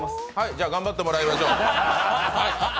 じゃ、頑張ってもらいましょう。